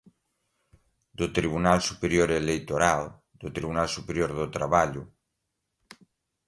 do Tribunal Superior Eleitoral, do Tribunal Superior do Trabalho